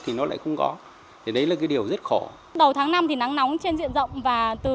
thì nó lại không có thì đấy là cái điều rất khổ đầu tháng năm thì nắng nóng trên diện rộng và từ